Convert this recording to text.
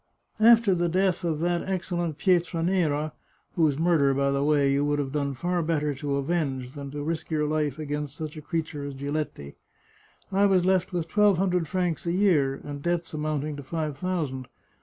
After the death of that excellent Pietra nera (whose murder, by the way, you would have done far better to avenge, than to risk your life against such a creature as Giletti), I was left with twelve hundred francs a year, and debts amounting to five thousand.